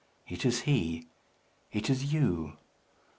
It is he it is you."